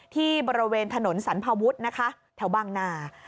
ที่บริเวณถนนสรรพวุฒินะคะแถวบางนา